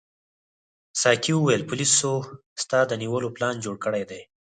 ساقي وویل پولیسو ستا د نیولو پلان جوړ کړی دی.